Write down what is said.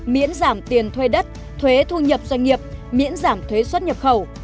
miễn giảm tiền thuê đất thuế thu nhập doanh nghiệp miễn giảm thuế xuất nhập khẩu